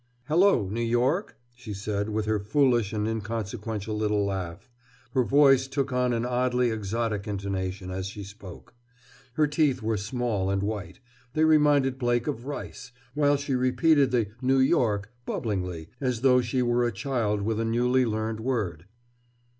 "Hello, New York," she said with her foolish and inconsequential little laugh. Her voice took on an oddly exotic intonation, as she spoke. Her teeth were small and white; they reminded Blake of rice, while she repeated the "New York," bubblingly, as though she were a child with a newly learned word.